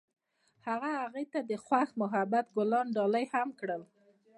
هغه هغې ته د خوښ محبت ګلان ډالۍ هم کړل.